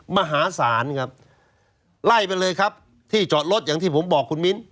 มหาศาลครับไล่ไปเลยครับที่จอดรถอย่างที่ผมบอกคุณมิ้น